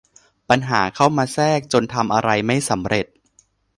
ปัญหาเข้ามาแทรกจนทำอะไรไม่สำเร็จ